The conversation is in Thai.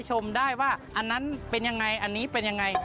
ชมได้ว่าอันนั้นเป็นยังไงอันนี้เป็นยังไง